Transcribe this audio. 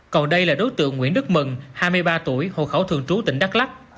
còn đây là đối tượng nguyễn đức mừng hai mươi ba tuổi hồ khẩu thường trú tỉnh đắk lắc